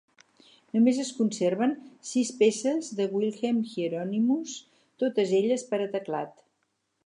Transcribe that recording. Només es conserven sis peces de Wilhelm Hieronymus, totes elles per a teclat.